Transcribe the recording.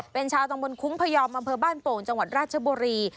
เป็นชาวตรงบนคุ้งพยอมบบ้านโป่งจังหวัดราชบรี